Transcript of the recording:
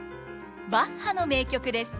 バッハの名曲です。